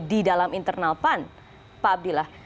di dalam internal pan pak abdillah